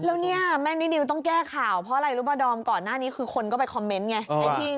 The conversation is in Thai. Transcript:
แล้วเนี่ยแม่นินิวต้องแก้ข่าวเพราะอะไรรู้ป่ะดอมก่อนหน้านี้คือคนก็ไปคอมเมนต์ไง